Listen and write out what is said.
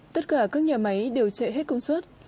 tất cả các nhà máy đều chạy hết công suất